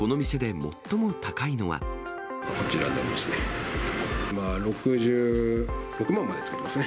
こちらになりますね。